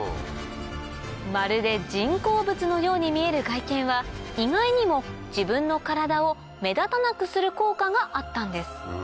まるで人工物のように見える外見は意外にも自分の体を目立たなくする効果があったんです